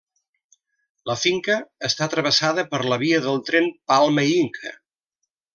La finca està travessada per la via del tren Palma-Inca.